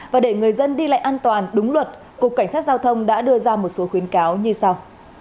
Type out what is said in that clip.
và để người dân đi lại an toàn đúng luật cục cảnh sát giao thông đã đưa ra một số khuyến cáo như sau